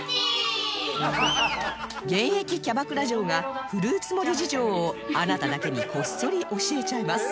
現役キャバクラ嬢がフルーツ盛り事情をあなただけにこっそり教えちゃいます